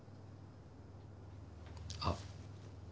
あっ。